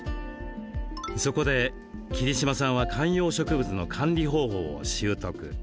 そこで桐島さんは観葉植物の管理方法を習得。